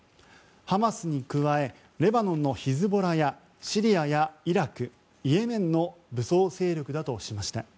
ハマスに加えレバノンのヒズボラやシリアやイラク、イエメンの武装勢力だとしました。